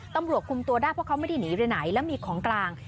ตำรวจคุมตัวได้เพราะเขาไม่ได้หนีไปไหนแล้วมีของกลาง